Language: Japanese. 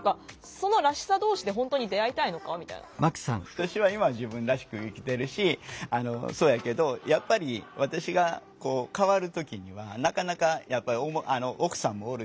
私は今自分らしく生きてるしあのそやけどやっぱり私がこう変わる時にはなかなかやっぱり奥さんもおるし。